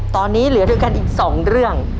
ตอนนี้เหลือกันอีกสองเรื่อง